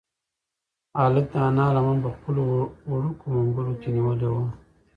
هلک د انا لمن په خپلو وړوکو منگولو کې نیولې وه.